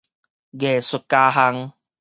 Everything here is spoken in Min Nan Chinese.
藝術家巷